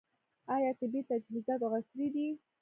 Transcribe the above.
آیا طبي تجهیزات عصري دي؟